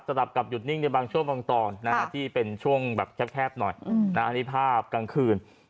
สำหรับกลับหยุดนิ่งในบางช่วงตอนที่เป็นช่วงแคบหน่อยนี่ภาพกลางคืน